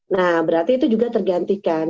nah berarti itu juga tergantikan